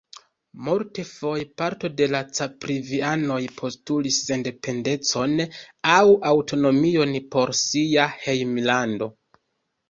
Multfoje parto de la Caprivi-anoj postulis sendependecon aŭ aŭtonomion por sia hejmlando.